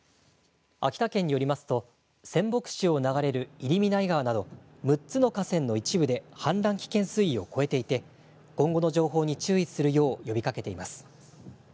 秋田県によりますと仙北市を流れる入見内川など６つの河川の一部で氾濫危険水位を超えていて今後の情報に注意するよう呼びかけています。